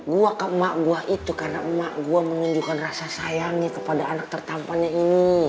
gue ke emak gue itu karena emak gue menunjukkan rasa sayangnya kepada anak tertampannya ini